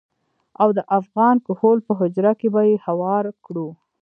او د افغان کهول په حجره کې به يې هوار کړو.